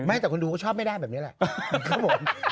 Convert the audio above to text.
ไม่แต่คนดูก็ชอบไม่ได้แบบนี้แหละ